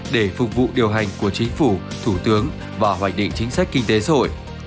để phục vụ điều hành của chính phủ thủ tướng và hoạch định chính sách kinh tế xã hội